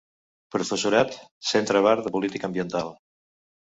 Professorat, Centre Bard de Política Ambiental.